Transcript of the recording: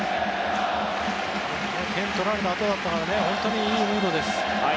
点を取られたあとだったので本当にいいムードです。